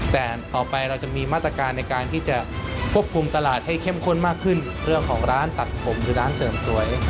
แต่ต่อไปเราจะมีมาตรการในการที่จะควบคุมตลาดให้เข้มข้นมากขึ้นเรื่องของร้านตัดผมหรือร้านเสริมสวย